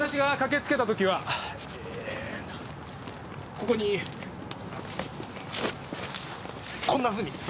ここにこんなふうに。